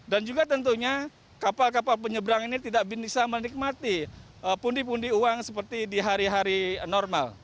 dan juga tentunya kapal kapal penyeberangan ini tidak bisa menikmati pundi pundi uang seperti di hari hari normal